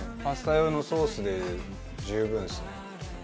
パスタ用のソースで十分ですね。